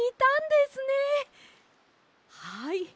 はい。